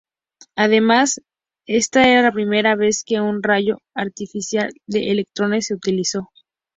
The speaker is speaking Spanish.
Además, esta era la primera vez que un rayo artificial de electrones se utilizó.